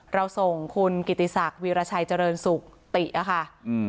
เราส่งคุณกิติศักดิ์วีรชัยเจริญสุขติอะค่ะอืม